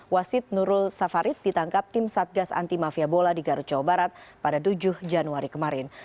wasid nurul safarid ditangkap tim satgas anti mafia bola di garut jawa barat pada tujuh januari kemarin